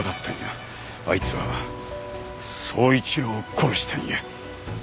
あいつは宗一郎を殺したんやって。